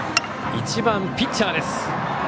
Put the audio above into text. １番ピッチャーです。